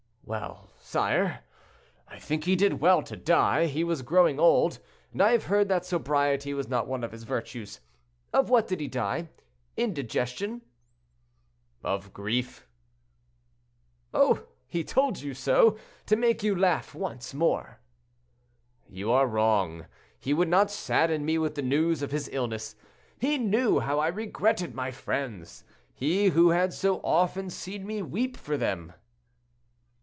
"Well, sire, I think he did well to die; he was growing old, and I have heard that sobriety was not one of his virtues. Of what did he die—indigestion?" "Of grief." "Oh! he told you so, to make you laugh once more." "You are wrong; he would not sadden me with the news of his illness. He knew how I regretted my friends—he, who had so often seen me weep for them."